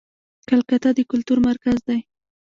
کلکته د کلتور مرکز دی.